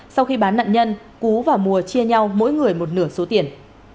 sau khi bán nạn nhân cú và mùa chia nhau mỗi người một nửa số tiền